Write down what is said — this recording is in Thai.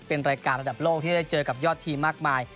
เป็นรายการระดับโลกที่ได้เจอกับยอดทีมมากมาย